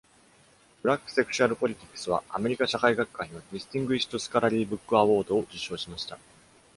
「Black Sexual Politics」はアメリカ社会学会の Distinguished Scholarly Book Award を受賞しました。